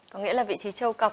có nghĩa là vị trí châu cộc